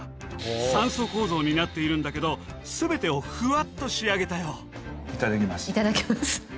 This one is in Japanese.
３層構造になっているんだけど全てをふわっと仕上げたよ。